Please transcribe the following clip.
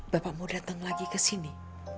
bapak mau datang lagi kesini